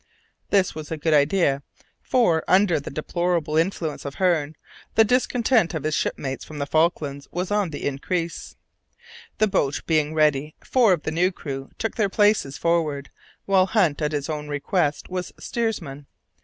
This was a good idea, for, under the deplorable influence of Hearne, the discontent of his shipmates from the Falklands was on the increase. The boat being ready, four of the new crew took their places forward, while Hunt, at his own request, was steersman.